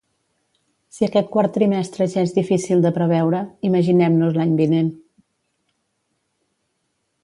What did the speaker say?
Si aquest quart trimestre ja és difícil de preveure, imaginem-nos l’any vinent.